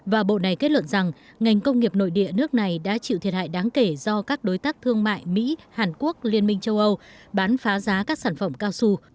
và bộ này kết luận rằng ngành công nghiệp nội địa nước này đã chịu thiệt hại đáng kể do các đối tác thương mại mỹ hàn quốc liên minh châu âu bán phá giá các sản phẩm cao su